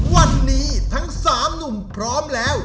วันนี้ทั้ง๓หนุ่มพร้อมแล้ว